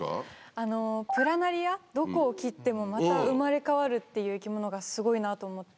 あのプラナリアどこを切ってもまた生まれ変わるっていう生き物がすごいなと思って。